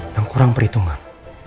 yang kurang perhitungan